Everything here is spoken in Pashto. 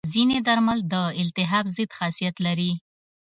ځینې درمل د التهاب ضد خاصیت لري.